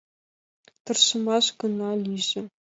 Тыршымаш гына лийже.